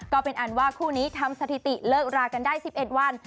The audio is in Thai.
ก็เป็นอันว่าคู่นี้ทำสถิติเลิกรากันได้๑๑วัน